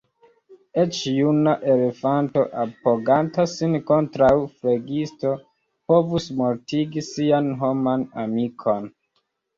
Eĉ juna elefanto, apoganta sin kontraŭ flegisto, povus mortigi sian homan amikon.